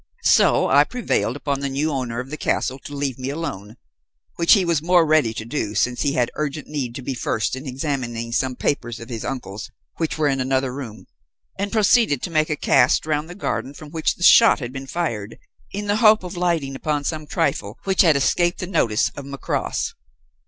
So I prevailed upon the new owner of the castle to leave me alone which he was the more ready to do since he had urgent need to be first in examining some papers of his uncle's which were in another room and proceeded to make a cast round the garden from which the shot had been fired, in the hope of lighting upon some trifle which had escaped the notice of Macross.